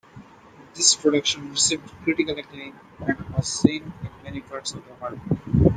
This production received critical acclaim and was seen in many parts of the world.